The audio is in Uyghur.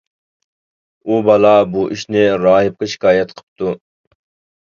ئۇ بالا بۇ ئىشنى راھىبقا شىكايەت قىلىپتۇ.